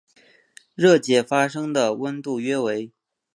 热解发生的温度约为。